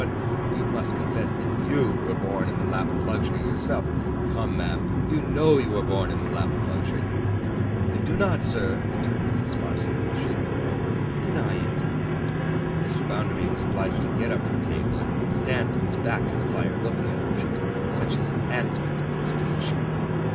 But you must confess that you were born in the lap of luxury, yourself. Come, ma'am, you know you were born in the lap of luxury.' 'I do not, sir,' returned Mrs. Sparsit with a shake of her head, 'deny it.' Mr. Bounderby was obliged to get up from table, and stand with his back to the fire, looking at her; she was such an enhancement of his position.